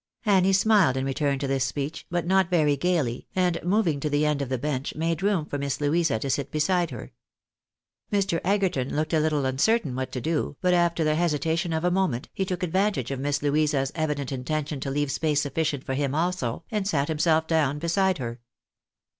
Annie smiled in return to this speech, but not very gaily, and moving to the end of the bench, made room for Miss Louisa to sit beside her. Mr. Egerton looked a little uncertain what to do, but after the hesitation of a moment, he took advantage of Miss Louisa's evident intention to leave space sufficient for him also, and sat himself down beside her.